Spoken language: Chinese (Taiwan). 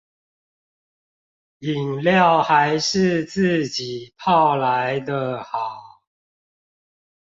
飲料還是自己泡來的好